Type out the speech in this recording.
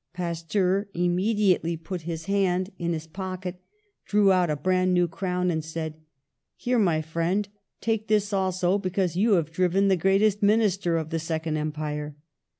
Pasteur immediately put his hand in his THE SOVEREIGNTY OF GENIUS 151 pocket, drew out a brand new crown, and said : '^Here, my friend, take this also, because you have driven the greatest minister of the Sec ond Empire!"